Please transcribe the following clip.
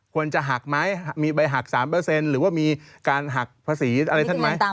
ควรจะหักไหมมีใบหัก๓หรือว่ามีการหักภาษีอะไรท่านไหม